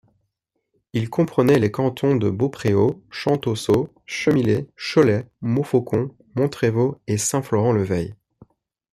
Il comprenait les cantons de Beaupréau, Champtoceaux, Chemillé, Cholet, Montfaucon, Montrevault et Saint-Florent-le-Vieil.